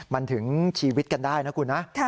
มันถึงชีวิตกันได้นะคุณนะ